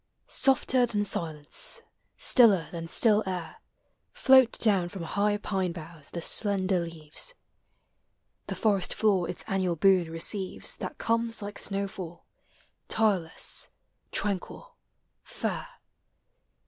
Softer than silence, stiller than still air Float down from high pine boughs the slender leaves. The forest floor its annual boon receives That comes like snowfall, tireless, tranquil, fair.